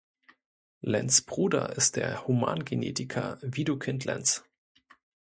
Lenz' Bruder ist der Humangenetiker Widukind Lenz.